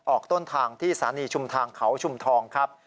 ออกต้นทางที่สถานีชุมทางเขาชุมทองครับ